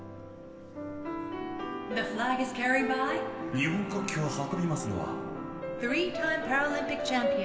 日本国旗を運びますのは。